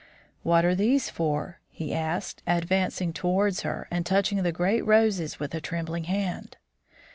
"What are these for?" he asked, advancing towards her and touching the great roses with a trembling hand.